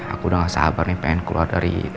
aku udah gak sabar nih pengen keluar dari